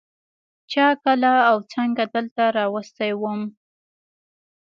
چا کله او څنگه دلته راوستى وم.